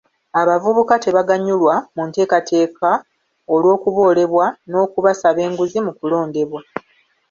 Abavubuka tebaganyulwa mu nteekateeka olw'okuboolebwa n'okubasaba enguzi mu kulondebwa.